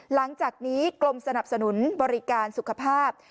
หลังจากนี้กรมสนับสนุนบริการสุขภาพ